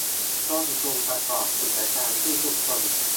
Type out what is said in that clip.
ต้นทุนประกอบกิจการที่ทุกคน